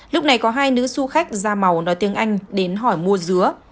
lúc này có hai nữ du khách ra màu nói tiếng anh đến hỏi mua dứa